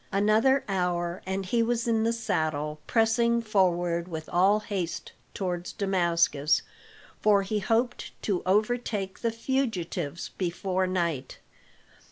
Another hour and he was in the saddle pressing forward with all haste towards Damascus, for he hoped to overtake the fugitives before night.